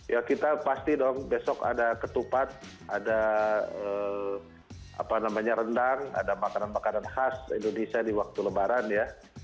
ya kita pasti dong besok ada ketupat ada rendang ada makanan makanan khas indonesia di waktu lebaran ya